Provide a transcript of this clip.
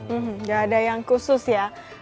enggak ada yang khusus ya